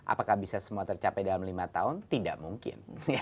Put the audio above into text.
apakah bisa semua tercapai dalam lima tahun tidak mungkin